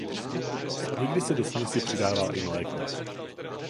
Někdy se do směsi přidává i mléko.